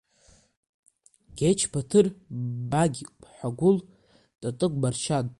Гьеч Баҭыр, Магь Ҳәагәыл, Татыгә Маршьан…